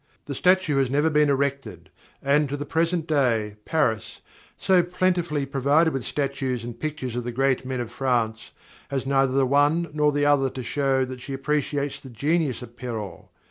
The statue has never been erected; and, to the present day, Paris, so plentifully provided with statues and pictures of the great men of France, has neither the one nor the other to show that she appreciates the genius of Perrault.